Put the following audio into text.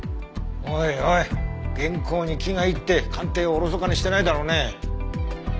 おいおい原稿に気がいって鑑定をおろそかにしてないだろうね。